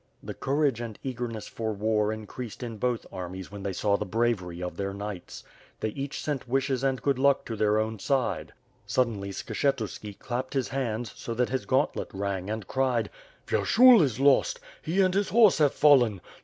The courage and eagerness for war increased in both armies when they saw the bravery of their knights. They each sent wishes and good luck to their own side. Suddenly, Skshe tuski clapped his hands, so that his gauntlet rang, and cried: "Vyershul is lost! he and his horse have fallen!